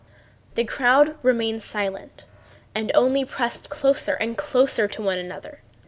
The crowd remained silent and only pressed closer and closer to one another.